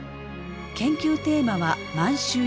研究テーマは満州事変。